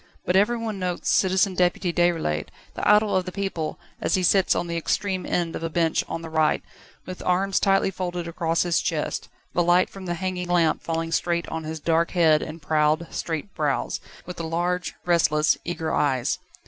But everyone notes Citizen Deputy Déroulède, the idol of the people, as he sits on the extreme end of a bench on the right, with arms tightly folded across his chest, the light from the hanging lamp falling straight on his dark head and proud, straight brows, with the large, restless, eager eyes.